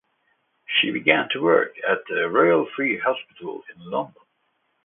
She began to work at the Royal Free Hospital in London.